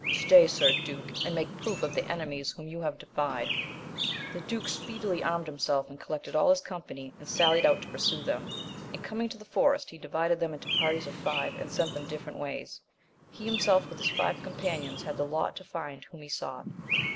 Stay, sir duke, and make proof of the enemies whom you have defied 1 The duke speedily armed himself and collected all his company, and sallied out to pursue them ; and coming to the forest he divided them into parties of five, and sent them different ways. He himself with his five companions had the lot to find whom he sought.